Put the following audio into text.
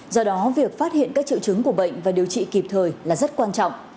do đó việc phát hiện các triệu chứng của bệnh và điều trị kịp thời là rất quan trọng